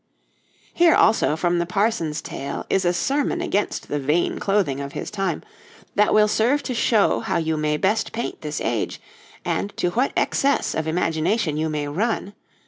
Here also, from the Parson's Tale, is a sermon against the vain clothing of his time, that will serve to show how you may best paint this age, and to what excess of imagination you may run.